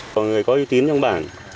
có người có uy tín trong bản